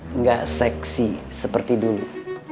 enggak seksi seperti dulu